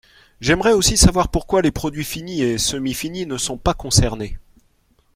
J’aimerais aussi savoir pourquoi les produits finis et semi-finis ne sont pas concernés.